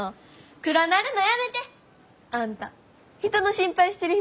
暗なるのやめて！あんた人の心配してる暇ないやろ。